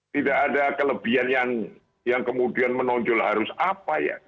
tidak ada kelebihan yang kemudian menonjol harus apa ya